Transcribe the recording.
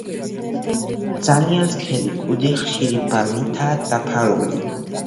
ძალიან სქელი კუდი ხშირი ბალნითაა დაფარული.